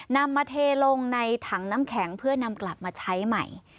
นำมาเทลงในถังน้ำแข็งเพื่อนำกลับมาใช้ใหม่